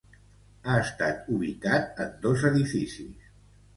Ha estat ubicat en dos edificis.